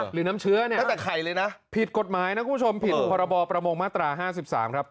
หรือน้ำเชื้อเนี่ยพิษกฎหมายนะคุณผู้ชมผิดภาระบประโมงมาตรา๕๓ครับ